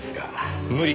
無理。